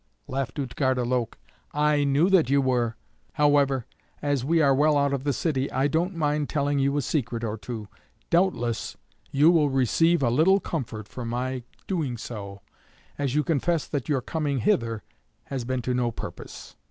laughed Utgarda Loke. "I knew that you were. However, as we are well out of the city I don't mind telling you a secret or two. Doubtless you will receive a little comfort from my doing so, as you confess that your coming hither has been to no purpose.